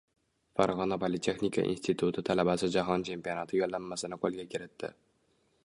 Farg‘ona politexnika instituti talabasi jahon chempionati yo‘llanmasini qo‘lga kiritdi